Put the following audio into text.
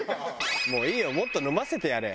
もういいよもっと飲ませてやれ。